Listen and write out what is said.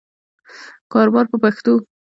کاروبار په پښتو.